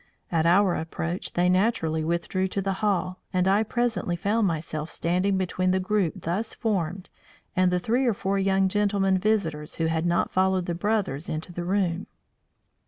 At our approach they naturally withdrew to the hall, and I presently found myself standing between the group thus formed and the three or four young gentlemen visitors who had not followed the brothers into the room.